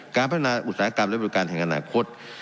การพัฒนาอุตสาหกรรมและบริการแห่งอนาคต